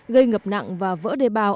gây ngập nặng và vỡ đề bào